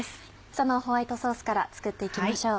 そのホワイトソースから作って行きましょう。